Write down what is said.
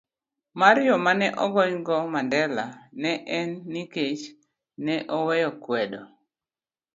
C. mar Yo ma ne ogonygo Mandela ne en nikech ne oweyo kwedo